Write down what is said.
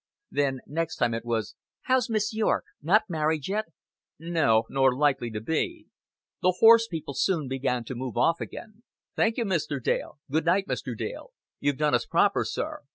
Then next time it was: "How's Miss Yorke? Not married yet?" "No, nor likely to be." The horse people soon began to move off again "Thank you, Mr. Dale. Good night, Mr. Dale.... You've done us proper, sir....